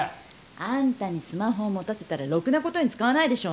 あんたにスマホを持たせたらろくなことに使わないでしょ！